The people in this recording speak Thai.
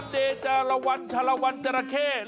วันหนึ่งสัทเจรวรรณเจรวรณจรือข้า